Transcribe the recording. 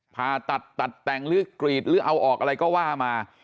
ผ่าตัดตัดแต่งหรือกรีดหรือเอาออกอะไรก็ว่ามา